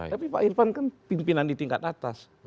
tapi pak irfan kan pimpinan di tingkat atas